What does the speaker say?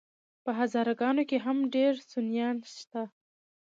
په هزاره ګانو کي هم ډير سُنيان شته